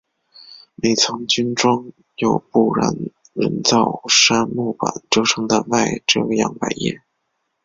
每层均装有不燃人造杉木板制成的外遮阳百叶。